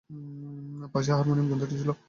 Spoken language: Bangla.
পাশে হারমোনিয়ম-যন্ত্রটি ছিল।